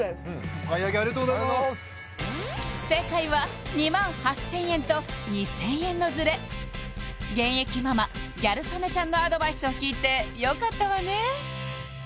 お買い上げありがとうございます正解は２８０００円と２０００円のズレ現役ママギャル曽根ちゃんのアドバイスを聞いてよかったわね